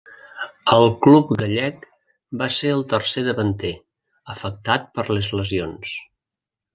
Al club gallec va ser el tercer davanter, afectat per les lesions.